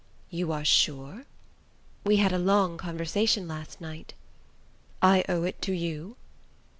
"You are sure?" "We had a long conversation last night." "I owe it to you?"